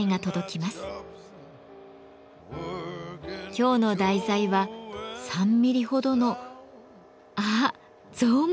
今日の題材は３ミリほどのあっゾウムシだ。